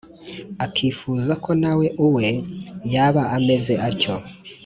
akifuza ko nawe uwe yaba ameze atyo